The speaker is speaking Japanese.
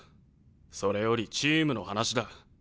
それよりチームの話だ。